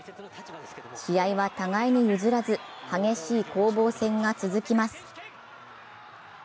試合は互いに譲らず激しい攻防戦が続きます。